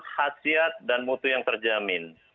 khasiat dan mutu yang terjamin